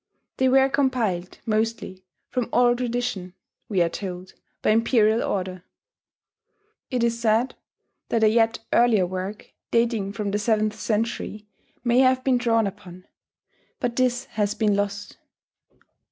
They were compiled, mostly, from oral tradition we are told, by imperial order. It is said that a yet earlier work, dating from the seventh century, may have been drawn upon; but this has been lost.